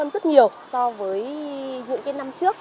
quan tâm rất nhiều so với những cái năm trước